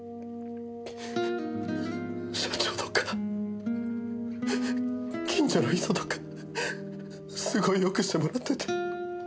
社長とか近所の人とかすごいよくしてもらってて。